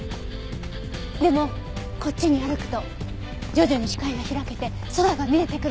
でもこっちに歩くと徐々に視界が開けて空が見えてくる。